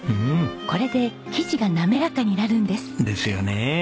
これで生地がなめらかになるんです。ですよねえ。